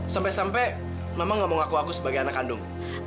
sampai sampai mama gak mau ngaku aku sebagai anak kandung